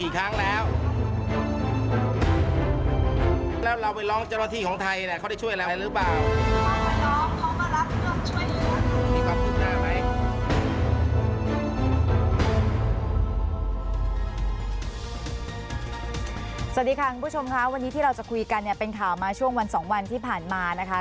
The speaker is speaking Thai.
สวัสดีค่ะคุณผู้ชมค่ะวันนี้ที่เราจะคุยกันเนี่ยเป็นข่าวมาช่วงวัน๒วันที่ผ่านมานะคะ